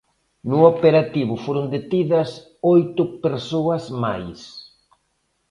No operativo foron detidas oito persoas máis.